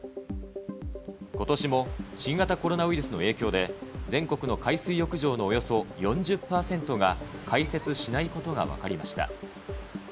ことしも新型コロナウイルスの影響で、全国の海水浴場のおよそ４０％が開設しないことが分かりました。